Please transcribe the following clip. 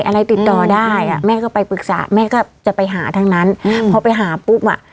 อะไรติดต่อได้อ่ะแม่ก็ไปปรึกษาแม่ก็จะไปหาทั้งนั้นพอไปหาปุ๊บอ่ะ